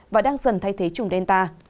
và đang dần thay thế chủng delta